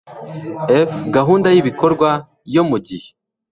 f Gahunda y ibikorwa yo mu gihe